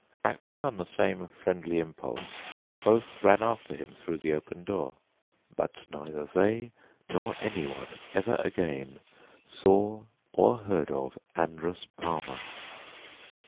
Acting on the same friendly impulse both ran after him through the open door. But neither they nor anyone ever again saw or heard of Andrus Palmer!